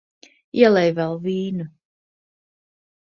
Ielej vēl vīnu.